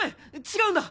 違うんだ。